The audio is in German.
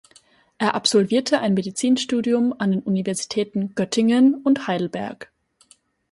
Er absolvierte ein Medizinstudium an den Universitäten Göttingen und Heidelberg.